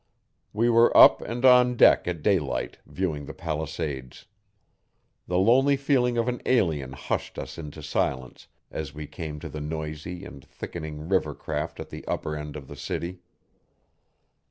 We were up and on deck at daylight, viewing the Palisades. The lonely feeling of an alien hushed us into silence as we came to the noisy and thickening river craft at the upper end of the city.